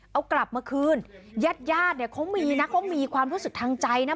เอากลับมาคืนญาติญาติเนี่ยเขามีนะเขามีความรู้สึกทางใจนะ